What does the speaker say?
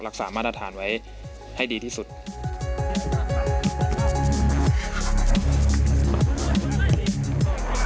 แล้วก็กำหนดทิศทางของวงการฟุตบอลในอนาคต